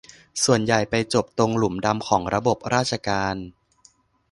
ส่วนใหญ่ไปจบตรงหลุมดำของระบบราชการ